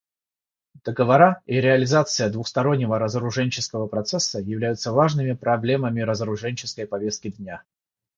Осуществление этого Договора и реализация двустороннего разоруженческого процесса являются важными проблемами разоруженческой повестки дня.